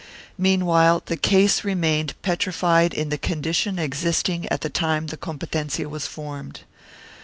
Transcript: Meanwhile the case remained petrified in the condition existing at the time the competencia was formed.